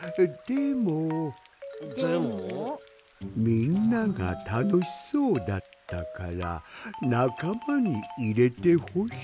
みんながたのしそうだったからなかまにいれてほしくて。